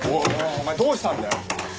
お前どうしたんだよ？